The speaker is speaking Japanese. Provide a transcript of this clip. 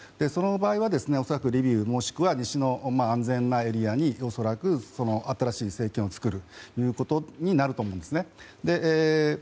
その場合は恐らくリビウもしくは西の安全なエリアに恐らく新しい政権を作ることになると思うんですね。